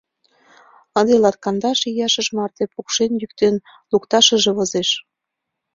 Ынде латкандаш ияшыж марте пукшен-йӱктен лукташыже возеш.